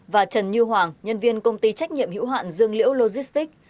và trần như hoàng nhân viên công ty trách nhiệm hữu hạn dương liễu logistics